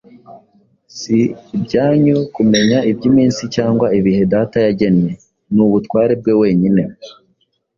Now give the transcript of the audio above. Si ibyanyu kumenya iby’iminsi cyangwa ibihe Data yagennye ni ubutware bwe wenyine.”